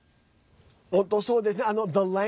本当そうですね。